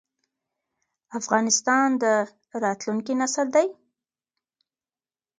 افغانستان د راتلونکي نسل دی؟